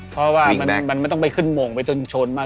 เพราะว่ามันไม่ต้องไปขึ้นม่วงไปถึงโชนมา